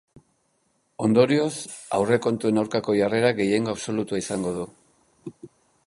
Ondorioz, aurrekontuen aurkako jarrerak gehiengo absolutua izango du.